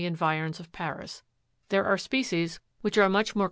environs of Paris ; there are species which are much more com Fig. 154.